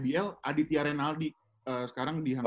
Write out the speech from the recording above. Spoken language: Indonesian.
ibl aditya renaldi sekarang di hang tua